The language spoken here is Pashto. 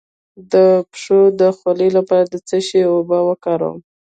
د پښو د خولې لپاره د څه شي اوبه وکاروم؟